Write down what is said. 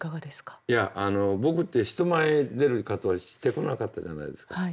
いや僕って人前に出る活動はしてこなかったじゃないですか。